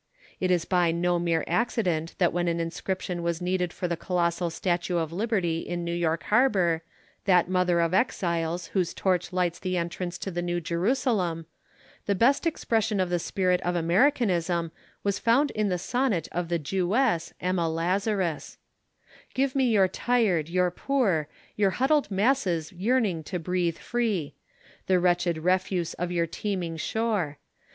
It is by no mere accident that when an inscription was needed for the colossal statue of Liberty in New York Harbour, that "Mother of Exiles" whose torch lights the entrance to the New Jerusalem, the best expression of the spirit of Americanism was found in the sonnet of the Jewess, Emma Lazarus: Give me your tired, your poor, Your huddled masses yearning to breathe free, _The wretched refuse of your teeming shore.